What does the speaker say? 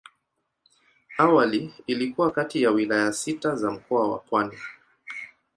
Awali ilikuwa kati ya wilaya sita za Mkoa wa Pwani.